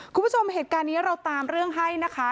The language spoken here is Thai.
คุณผู้ชมเหตุการณ์นี้เราตามเรื่องให้นะคะ